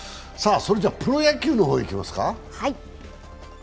プロ野球の方いきますか。